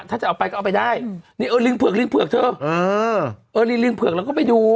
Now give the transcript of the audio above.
ถ้าจะเอาไปก็เอาไปได้นี่เออลิงเผือกลิงเผือกเธอเออลิงลิงเผือกแล้วก็ไปดู